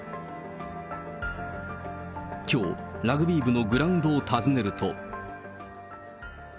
きょう、ラグビー部のグラウンドを訪ねると。